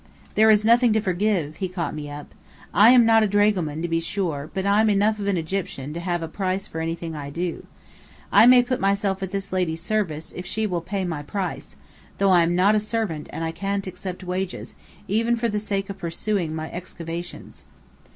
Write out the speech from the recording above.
"There is nothing to forgive," he caught me up. "I am not a dragoman, to be sure, but I'm enough of an Egyptian to have a price for anything I do. I may put myself at this lady's service if she will pay my price, though I'm not a servant and can't accept wages, even for the sake of pursuing my excavations!"